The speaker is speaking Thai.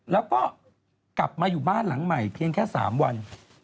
แล้วก็กลับมาอยู่บ้านหลังใหม่เพียงแค่๓วัน